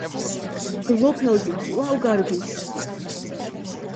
ბლოფელდი კვლავ გარბის.